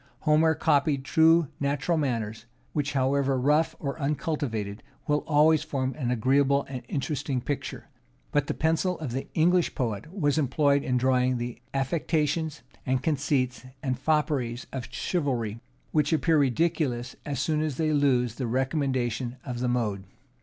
Homer copied true natural manners, which, however rough or uncultivated, will always form an agreeable and interesting picture; but the pencil of the English poet was employed in drawing the affectations, and conceits, and fopperies of chivalry, which appear ridiculous as soon as they lose the recommendation of the mode.